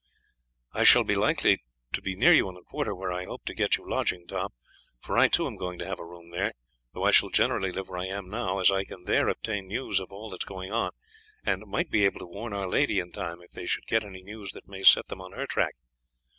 "I shall be likely to be near you in the quarter where I hope to get you lodging, Tom, for I too am going to have a room there, though I shall generally live where I now am, as I can there obtain news of all that is going on, and might be able to warn our lady in time if they should get any news that may set them on her track.